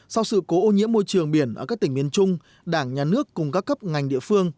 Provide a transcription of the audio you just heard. sau sự cố ô nhiễm môi trường biển ở các tỉnh miền trung đảng nhà nước cùng các cấp ngành địa phương